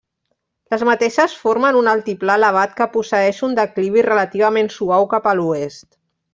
Les mateixes formen un altiplà elevat que posseeix un declivi relativament suau cap a l'oest.